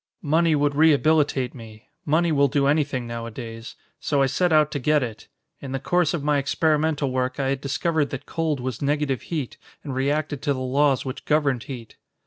Money would rehabilitate me money will do anything nowadays so I set out to get it. In the course of my experimental work, I had discovered that cold was negative heat and reacted to the laws which governed heat."